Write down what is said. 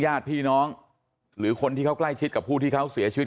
ญาติพี่น้องหรือคนที่เขาใกล้ชิดกับผู้ที่เขาเสียชีวิต